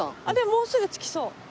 あっでももうすぐ着きそう。